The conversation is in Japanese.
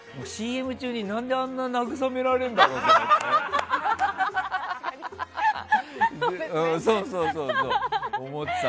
ＣＭ中に、何であんなに慰められるんだろうって思って。